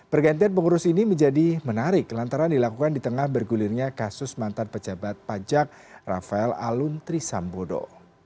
pergantian pengurus ini menjadi menarik lantaran dilakukan di tengah bergulirnya kasus mantar pejabat pajak rafael alun trisambodo